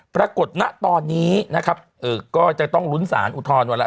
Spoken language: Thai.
ปรากฏณตอนนี้นะครับก็จะต้องลุ้นสารอุทธรณ์วันละ